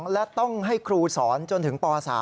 และต้องให้ครูสอนจนถึงป๓